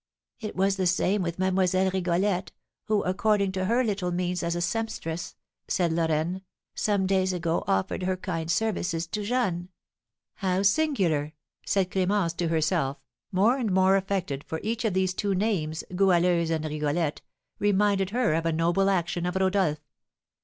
"It was the same with Mademoiselle Rigolette, who, according to her little means as a sempstress," said Lorraine, "some days ago offered her kind services to Jeanne." "How singular!" said Clémence to herself, more and more affected, for each of these two names, Goualeuse and Rigolette, reminded her of a noble action of Rodolph.